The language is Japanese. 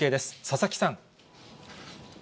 佐々木さん。